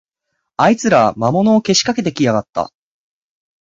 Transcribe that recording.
あいつら、魔物をけしかけてきやがった